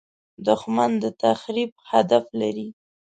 دښمن د تخریب هدف لري